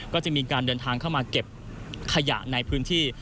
ก็จะมีการเดินทางเข้ามาเก็บขยะในพื้นที่